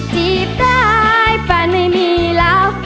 จีบได้แฟนไม่มีแล้ว